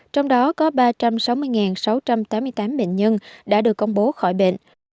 trong đó có ba trăm sáu mươi sáu trăm tám mươi tám bệnh nhân đã được công bố khỏi bệnh